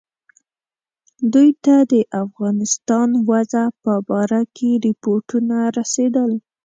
دوی ته د افغانستان وضع په باره کې رپوټونه رسېدل.